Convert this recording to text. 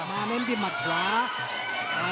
มาเล่นที่มัตต์ขวา